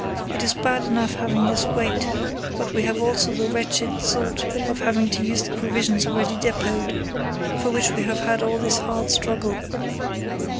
It is bad enough having this wait, but we have also the wretched thought of having to use the provisions already depot ed, for which we have had all this hard struggle."